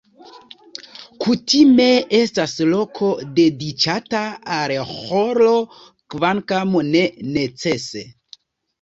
Kutime estas loko dediĉata al ĥoro, kvankam ne necese.